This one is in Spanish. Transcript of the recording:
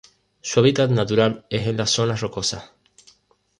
Su natural de hábitat es en las zonas rocosas.